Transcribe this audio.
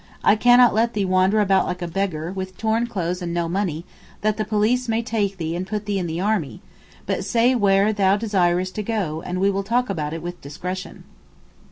I cannot let thee wander about like a beggar, with torn clothes and no money, that the police may take thee and put thee in the army; but say where thou desirest to go, and we will talk about it with discretion.